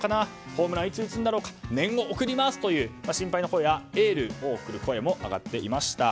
ホームランいつ打つんだろう念を送りますという心配の声やエールを送る声も上がっていました。